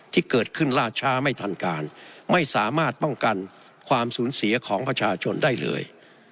ที่เกิดขึ้นล่าช้าไม่ทันการไม่สามารถป้องกันความสูญเสียของประชาชนได้เลย